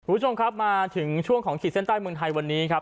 คุณผู้ชมครับมาถึงช่วงของขีดเส้นใต้เมืองไทยวันนี้ครับ